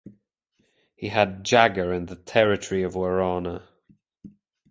He had Jagir in the territory of Warana.